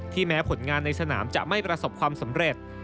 แม้ผลงานในสนามจะไม่ประสบความสำเร็จ